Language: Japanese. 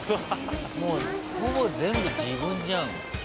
「もうほぼ全部自分じゃん」